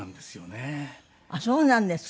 あっそうなんですか。